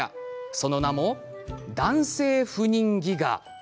その名も「男性不妊戯画」。